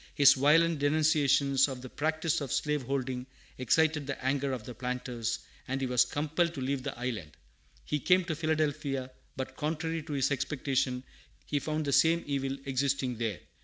His violent denunciations of the practice of slaveholding excited the anger of the planters, and he was compelled to leave the island. He came to Philadelphia, but, contrary to his expectations, he found the same evil existing there.